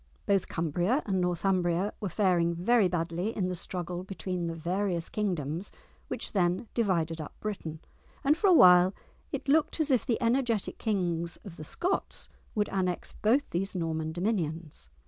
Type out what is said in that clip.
Both Cumbria and Northumbria were faring very badly in the struggle between the various kingdoms which then divided up Britain, and for a while it looked as if the energetic kings of the Scots would annex both these northern dominions.